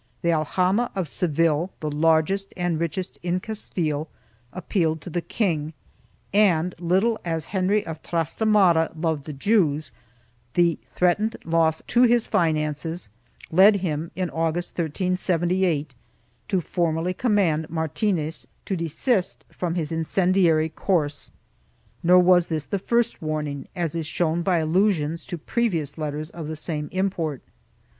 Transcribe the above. The aljama of Seville, the largest and richest in Castile, appealed to the king and, little as Henry of Trastamara loved the Jews, the threatened loss to his finances led him, in August, 1378, to formally command Martinez to desist from his incendiary course, nor was this the first warning, as is shown by allusions to previous letters of the same import.